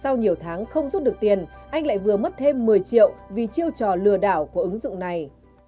sau nhiều tháng không rút được tiền anh lại vừa mất thêm một mươi triệu vì chiêu trò lừa đảo của ứng dụng này